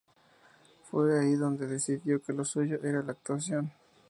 Fue ahí en donde decidió que lo suyo era la actuación.